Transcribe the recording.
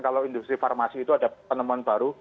kalau industri farmasi itu ada penemuan baru